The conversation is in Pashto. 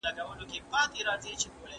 لارښود پیدا کړئ.